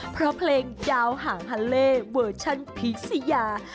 เพราะเพลงดาวหางฮัลเล่เวอร์ชันพีคสยา